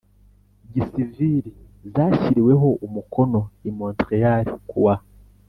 Gisivili yashyiriweho umukono i Montreal kuwa